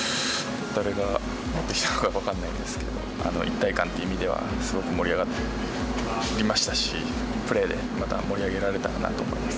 誰が持ってきたのか、分かんないんですけど、一体感という意味では、すごく盛り上がりましたし、プレーでまた盛り上げられたらなと思います。